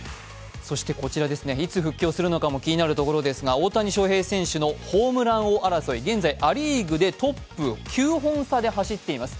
そしてこちら、いつ復帰をするのかも気になるところですが、大谷翔平選手のホームラン王争い、現在ア・リーグでトップ９本差で走っています。